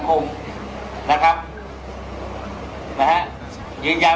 นะครับนะครับทำยืนยามะภ